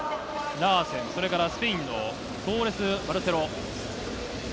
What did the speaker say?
ラーセン、それからスペインのトーレスバルセロ。